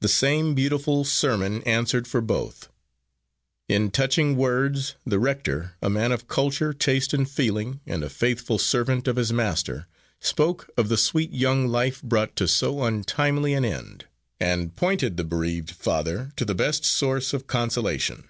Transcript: The same beautiful sermon answered for both. In touching words, the rector, a man of culture, taste and feeling, and a faithful servant of his Master, spoke of the sweet young life brought to so untimely an end, and pointed the bereaved father to the best source of consolation.